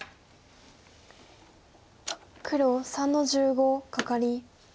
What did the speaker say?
黒３の十五カカリ。